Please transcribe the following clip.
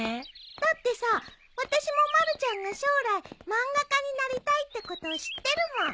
だってさ私もまるちゃんが将来漫画家になりたいってこと知ってるもん。